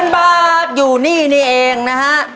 ๐บาทอยู่นี่นี่เองนะฮะ